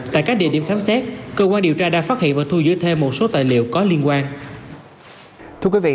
tại các địa điểm khám xét cơ quan điều tra đã phát hiện và thu giữ thêm một số tài liệu có liên quan